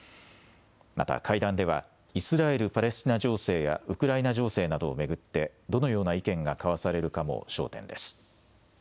また会談では、イスラエル・パレスチナ情勢やウクライナ情勢などを巡って、どのような意見が交わされるかも焦点です。